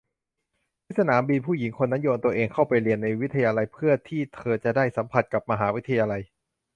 ที่สนามบินผู้หญิงคนนั้นโยนตัวเองเข้าไปเรียนในวิทยาลัยเพื่อที่เธอจะได้สัมผัสกับมหาวิทยาลัย